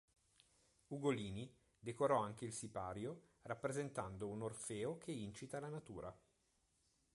Ugolini decorò anche il sipario, rappresentando un "Orfeo che incita la Natura".